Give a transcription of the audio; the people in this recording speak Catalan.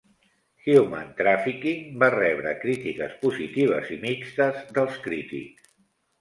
"Human Trafficking" va rebre crítiques positives i mixtes dels crítics.